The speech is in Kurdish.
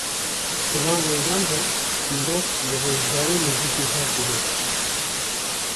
Di van rojan de mirov, bi rêzdarî nêzîkî hev dibin.